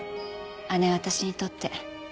姉は私にとって。